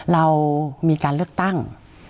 เรามีการเลือกตั้ง